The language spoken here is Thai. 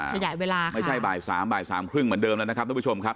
ขยายเวลาไม่ใช่บ่ายสามบ่ายสามครึ่งเหมือนเดิมแล้วนะครับทุกผู้ชมครับ